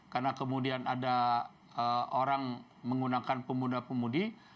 karena kemudian ada orang menggunakan pemuda pemudi